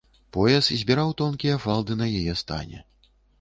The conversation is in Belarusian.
Пояс збіраў тонкія фалды на яе стане.